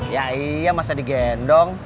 ya iya masa di gendong